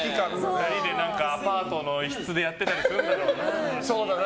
２人でアパートの一室でやってたりするんだろうな。